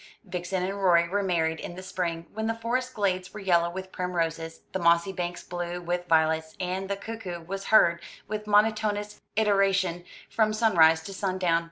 Vixen and Rorie were married in the spring, when the forest glades were yellow with primroses, the mossy banks blue with violets, and the cuckoo was heard with monotonous iteration from sunrise to sundown.